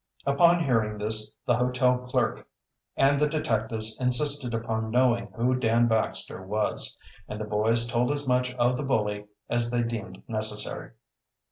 Upon hearing this the hotel clerk and the detectives insisted upon knowing who Dan Baxter was, and the boys told as much of the bully as they deemed necessary.